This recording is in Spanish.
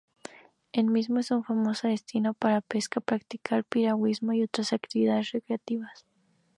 El mismo es un famoso destino para pesca, practicar piragüismo y otras actividades recreativas.